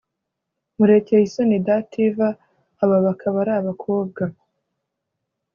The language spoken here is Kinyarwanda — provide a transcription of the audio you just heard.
Murekeyisoni Dative aba bakaba ari abakobwa